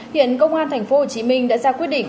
hiện công an tp hcm đã ra quyết định